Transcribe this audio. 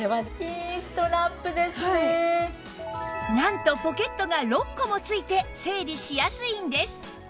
なんとポケットが６個も付いて整理しやすいんです